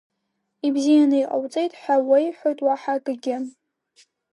Ибзианы иҟауҵеит ҳәа уеиҳәоит, уаҳа акагьы.